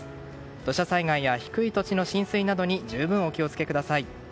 土砂災害や低い土地の浸水などに十分、お気を付けください。